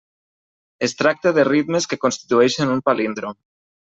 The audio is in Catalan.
Es tracta de ritmes que constitueixen un palíndrom.